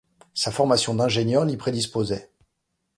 Sa formation d'ingénieur l'y prédisposait.